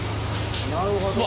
なるほど。